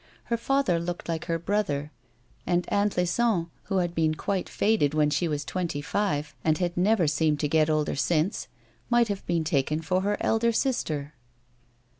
Her father looked like her brother, and Aunt Lison (who had been quite faded when she was twenty five, and had never seemed to get older since) might have been taken for her elder sister.